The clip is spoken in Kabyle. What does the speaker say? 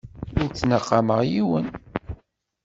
Ur ttnaqameɣ yiwen.